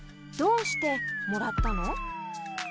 どうしてもらったの？